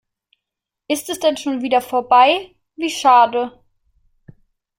Ist es denn schon wieder vorbei, wie schade.